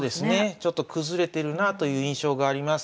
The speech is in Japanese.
ちょっと崩れてるなという印象があります。